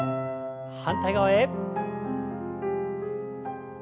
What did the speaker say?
反対側へ。